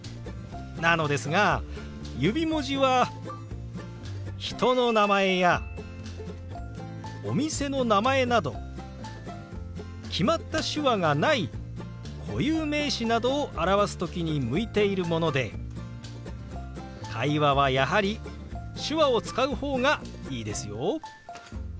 なのですが指文字は人の名前やお店の名前など決まった手話がない固有名詞などを表す時に向いているもので会話はやはり手話を使う方がいいですよ。